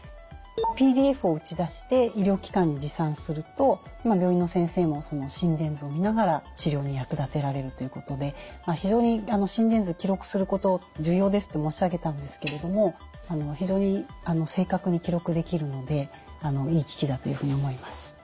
ＰＤＦを打ち出して医療機関に持参すると病院の先生もその心電図を見ながら治療に役立てられるということで非常に心電図記録すること重要ですと申し上げたんですけれども非常に正確に記録できるのでいい機器だというふうに思います。